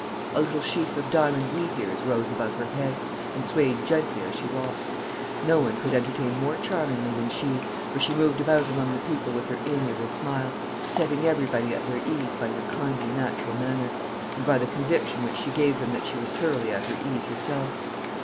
A little sheaf of diamond wheat ears rose above her head, and swayed gently as she walked. No one could entertain more charmingly than she, for she moved about among the people with her amiable smile, setting everybody at their ease by her kindly natural manner, and by the conviction which she gave them that she was thoroughly at her ease herself.